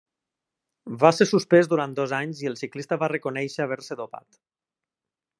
Va ser suspès durant dos anys i el ciclista va reconèixer haver-se dopat.